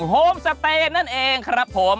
โฮมสเตย์นั่นเองครับผม